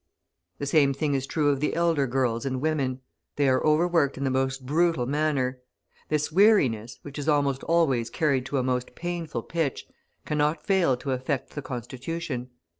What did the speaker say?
The same thing is true of the elder girls and women. They are overworked in the most brutal manner. This weariness, which is almost always carried to a most painful pitch, cannot fail to affect the constitution.